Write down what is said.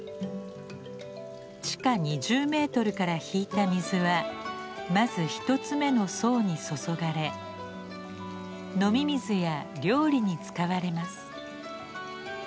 地下２０ｍから引いた水はまず一つ目の槽に注がれ飲み水や料理に使われます。